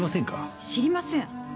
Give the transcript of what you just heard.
知りません。